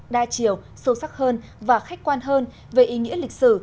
đa chiều sâu sắc hơn và khách quan hơn về ý nghĩa lịch sử